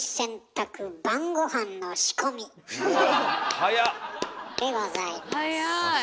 早っ！でございます。